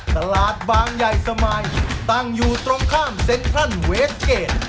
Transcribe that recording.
ตลาดบางใหญ่สมายตั้งอยู่ตรงข้ามเซ็นทรัลเวสเกจ